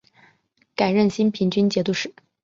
改任兴平军节度使。